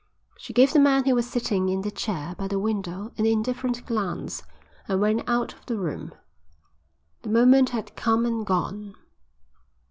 She gave the man who was sitting in the chair by the window an indifferent glance, and went out of the room. The moment had come and gone.